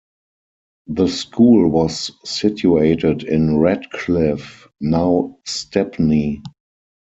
The school was situated in Ratcliff, now Stepney.